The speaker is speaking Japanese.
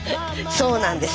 そうなんです。